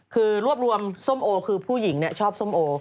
คือรวบรวมส้มโอคือผู้หญิงชอบส้มโอ